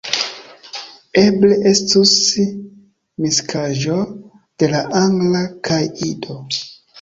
Eble estus miksaĵo de la Angla kaj Ido.